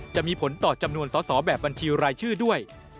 จะมีผลต่อจำนวนสอสอแบบบัญชีรายชื่อด้วย